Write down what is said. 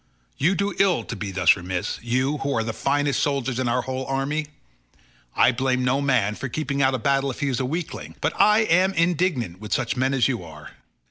You do ill to be thus remiss, you, who are the finest soldiers in our whole army. I blame no man for keeping out of battle if he is a weakling, but I am indignant with such men as you are.